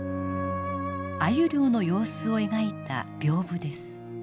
アユ漁の様子を描いた屏風です。